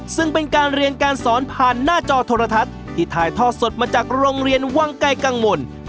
ซึ่งเป็นการเรียนการสอนผ่านหน้าจอโทรทัศน์ที่ถ่ายทอดสดมาจากโรงเรียนวังไกลกังวล